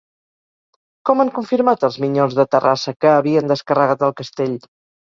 Com han confirmat els Minyons de Terrassa que havien descarregat el castell?